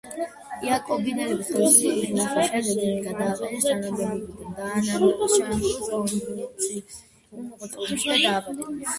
იაკობინელების ხელისუფლებაში მოსვლის შემდეგ იგი გადააყენეს თანამდებობიდან, დაადანაშაულეს კონტრრევოლუციურ მოღვაწეობაში და დააპატიმრეს.